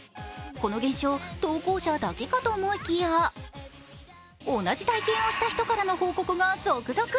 この現象、投稿者だけかと思いきや同じ体験をした人からの報告が続々。